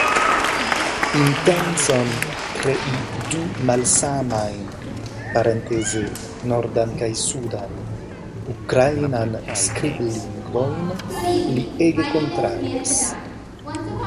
Intencon krei du malsamajn (nordan kaj sudan) ukrainan skriblingvojn li ege kontraŭis.